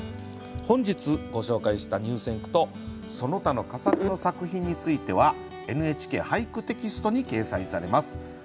本日ご紹介した入選句とその他の佳作の作品については「ＮＨＫ俳句」テキストに掲載されます。